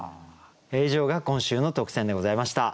以上が今週の特選でございました。